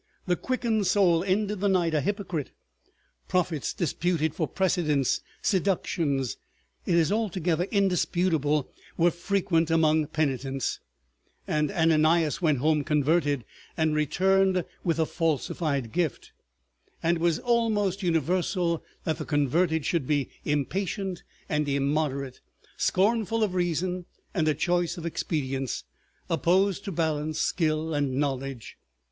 The quickened soul ended the night a hypocrite; prophets disputed for precedence; seductions, it is altogether indisputable, were frequent among penitents! and Ananias went home converted and returned with a falsified gift. And it was almost universal that the converted should be impatient and immoderate, scornful of reason and a choice of expedients, opposed to balance, skill, and knowledge.